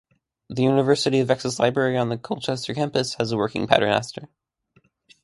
The University of Essex library on the Colchester campus has a working paternoster.